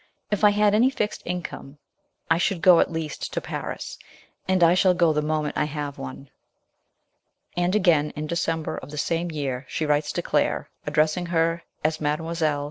If I had any fixed income, I should go at least to Paris, and i shall go the moment I have one." And again in December of the same year she writes to Claire, addressing her as Mdlle.